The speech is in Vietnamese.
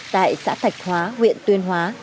tại xã thạch hóa huyện tuyên hóa